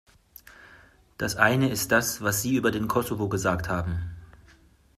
Das eine ist das, was Sie über den Kosovo gesagt haben.